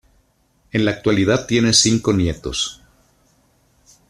En la actualidad tiene cinco nietos.